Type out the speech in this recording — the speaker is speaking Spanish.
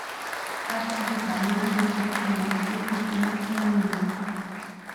Participa anualmente en el Seis Naciones Femenino.